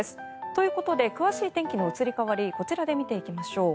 ということで詳しい天気の移り変わりをこちらで見ていきましょう。